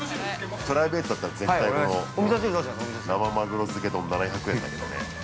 ◆プライベートだったら、絶対この、生まぐろ漬け丼７００円だけどね。